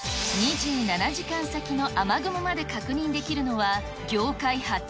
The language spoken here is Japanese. ２７時間先の雨雲まで確認できるのは、業界初。